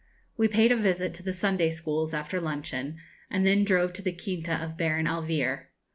We paid a visit to the Sunday schools after luncheon, and then drove to the quinta of Baron Alvear.